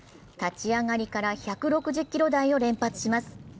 立ち上がりから１６０キロ台を連発します。